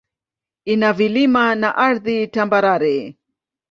Ina vilima na ardhi tambarare.